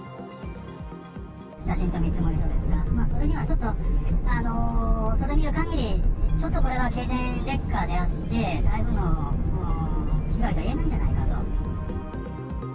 写真と見積書ですが、それにはちょっと、それを見るかぎり、ちょっとこれは経年劣化であって、台風の被害とはいえないんじゃないかと。